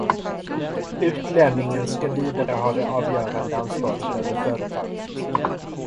Utlänningen ska vidare ha det avgörande ansvaret över företaget.